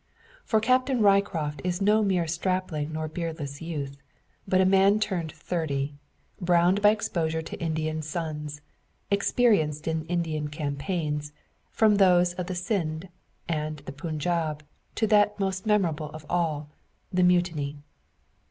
For Captain Ryecroft is no mere stripling nor beardless youth, but a man turned thirty, browned by exposure to Indian suns, experienced in Indian campaigns, from those of Scinde and the Punjaub to that most memorable of all the Mutiny.